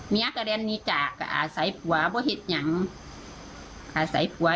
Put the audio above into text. เมียใจใส่ปัวก่อจะต่อแล้ว